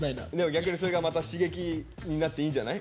逆にまたそれが刺激になっていいんじゃない？